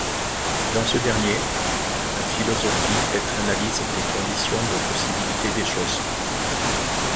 Dans ce dernier, la philosophie est analyse des conditions de possibilité des choses.